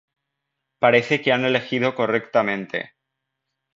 Parece que han elegido correctamente.